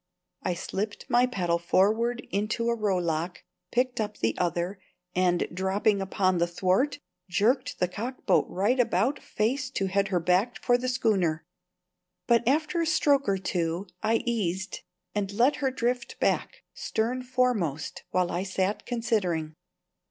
I slipped my paddle forward into a rowlock, picked up the other, and, dropping upon the thwart, jerked the cockboat right about face to head her back for the schooner. But after a stroke or two I easied and let her drift back stern foremost while I sat considering.